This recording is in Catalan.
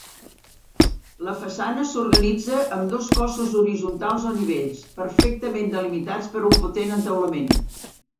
La façana s'organitza amb dos cossos horitzontals o nivells, perfectament delimitats per un potent entaulament.